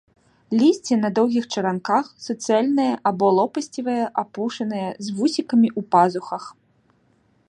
Лісце на доўгіх чаранках, суцэльнае або лопасцевае, апушанае, з вусікамі ў пазухах.